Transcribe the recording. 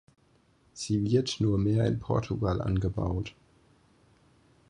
Sie wird nur mehr in Portugal angebaut.